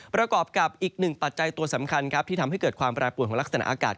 ประกอบกับอีกหนึ่งปัจจัยตัวสำคัญครับที่ทำให้เกิดความแปรปวนของลักษณะอากาศ